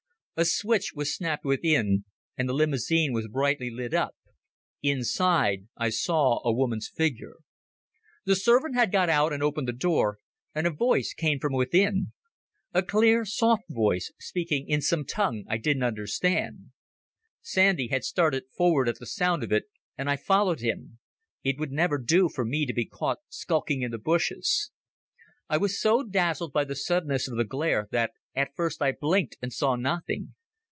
A switch was snapped within, and the limousine was brightly lit up. Inside I saw a woman's figure. The servant had got out and opened the door and a voice came from within—a clear soft voice speaking in some tongue I didn't understand. Sandy had started forward at the sound of it, and I followed him. It would never do for me to be caught skulking in the bushes. I was so dazzled by the suddenness of the glare that at first I blinked and saw nothing.